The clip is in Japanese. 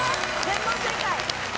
全問正解！